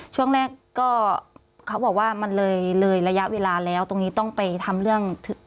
ช่วงแรกก็เขาบอกว่ามันเลยเลยระยะเวลาแล้วตรงนี้ต้องไปทำเรื่อง